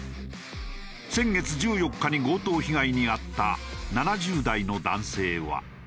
先月１４日に強盗被害に遭った７０代の男性は。